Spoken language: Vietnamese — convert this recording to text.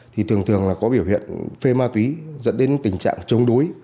thì thường thường là có biểu hiện phê ma túy dẫn đến tình trạng chống đối